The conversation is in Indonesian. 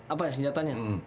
apa ya senjatanya